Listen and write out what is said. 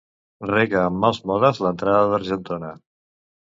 Rega amb mals modes l'entrada d'Argentona.